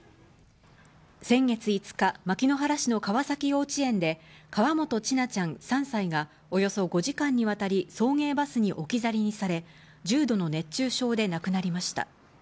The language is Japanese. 先月５日、牧之原市の川崎幼稚園で、河本千奈ちゃん３歳が、およそ５時間にわたり送迎バスに置き去りにされ、重度の熱中症で亡くなりました。